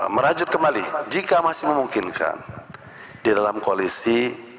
merajut kembali jika masih memungkinkan di dalam koalisi